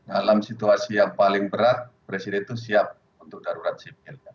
dalam situasi yang paling berat presiden itu siap untuk darurat sipil